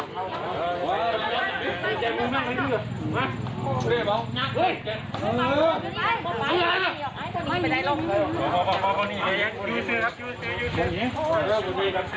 ไปไหนไปไหนมานี้